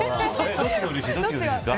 どっちがうれしいですか。